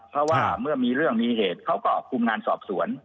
เพราะว่าเมื่อมีเรื่องมีเหตุเขาก็คุมงานสอบสวน